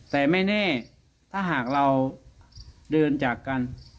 แต่ไม่แน่ถ้าหากเราเดินจากกัน